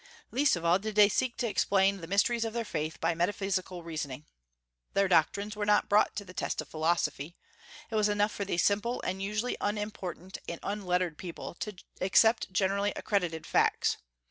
Least of all did they seek to explain the mysteries of their faith by metaphysical reasoning. Their doctrines were not brought to the test of philosophy. It was enough for these simple and usually unimportant and unlettered people to accept generally accredited facts.